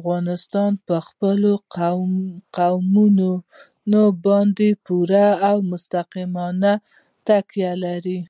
افغانستان په خپلو قومونه باندې پوره او مستقیمه تکیه لري.